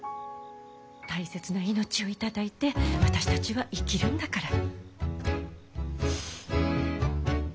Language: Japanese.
大切な命を頂いて私たちは生きるんだから。